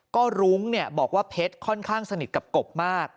ก็รุ้งบอกว่าเพชรค่อนข้างสนิทกับกบมาก